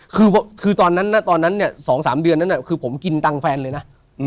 คือตอนนั้นตอนนั้นเนี่ย๒๓เดือนนั้นคือผมกินตังค์แฟนเลยนะ